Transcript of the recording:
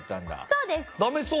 そうです。